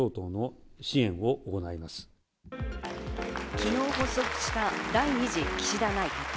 昨日発足した第２次岸田内閣。